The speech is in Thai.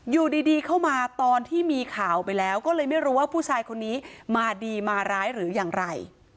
อยู่ดีเข้ามาตอนที่มีข่าวไปแล้วก็เลยไม่รู้ว่าผู้ชายคนนี้มาดีมาร้ายหรืออย่างไร